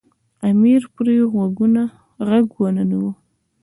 امیر پرې غوږ ونه نیوی.